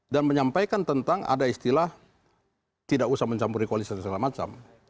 dan menyampaikan tentang ada istilah tidak usah mencampur di koalisi dan segala macam